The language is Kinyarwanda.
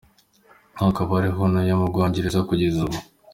Akaba ariho ntuye mu Bwongereza kugeza ubu.